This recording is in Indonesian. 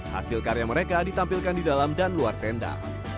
hasil karya mereka ditampilkan di dalam dan luar tenda